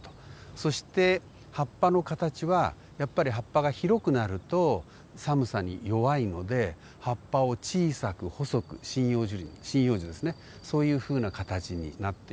そして葉っぱの形はやっぱり葉っぱが広くなると寒さに弱いので葉っぱを小さく細く針葉樹ですねそういうふうな形になっています。